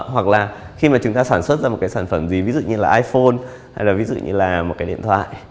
hoặc là khi mà chúng ta sản xuất ra một cái sản phẩm gì ví dụ như là iphone hay là ví dụ như là một cái điện thoại